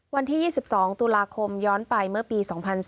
วันที่๒๒ตุลาคมย้อนไปเมื่อปี๒๔